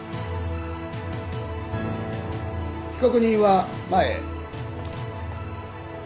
被告人は前へ。